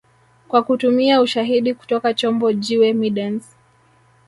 Kwa kutumia ushahidi kutoka chombo jiwe middens